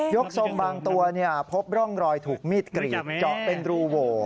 กทรงบางตัวพบร่องรอยถูกมีดกรีดเจาะเป็นรูโหว